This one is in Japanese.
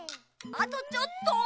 あとちょっと。